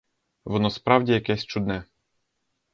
Воно справді якесь чудне.